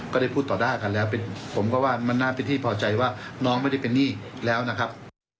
ก็ได้พูดต่อหน้ากันแล้วผมก็ว่ามันน่าเป็นที่พอใจว่าน้องไม่ได้เป็นหนี้แล้วนะครับ